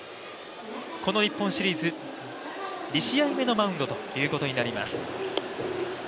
この日本シリーズ、２試合目のマウンドということになります。